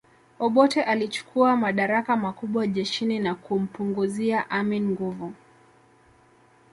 Obote alichukua madaraka makubwa jeshini na kumpunguzia Amin nguvu